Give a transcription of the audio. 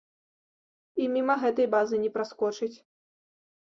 І міма гэтай базы не праскочыць.